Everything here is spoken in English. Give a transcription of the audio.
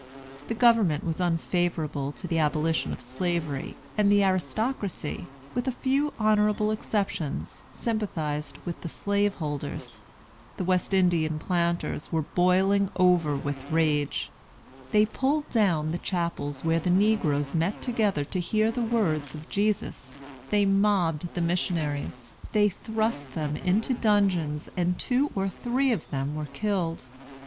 The government was unfavorable to the abolition of Slavery, and the aristocracy, with a few honorable exceptions, sympathized with the slaveholders. The West Indian planters were boiling over with rage. They pulled down the chapels where the negroes met together to hear the words of Jesus; they mobbed the missionaries, they thrust them into dungeons, and two or three of them were killed.